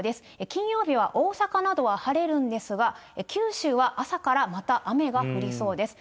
金曜日は大阪などは晴れるんですが、九州は朝からまた雨が降りそうです。